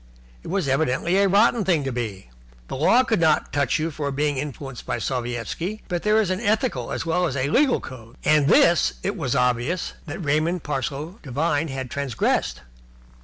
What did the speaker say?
It was evidently a rotten thing to be. The law could not touch you for being influenced by Sovietski, but there is an ethical as well as a legal code, and this it was obvious that Raymond Parsloe Devine had transgressed.